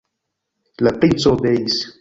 La princo obeis.